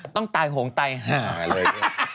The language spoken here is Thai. ต้องตายโหงตายห่าเลย